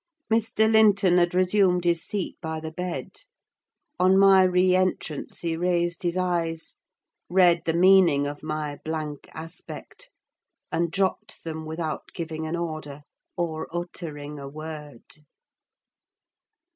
Mr. Linton had resumed his seat by the bed; on my re entrance, he raised his eyes, read the meaning of my blank aspect, and dropped them without giving an order, or uttering a word.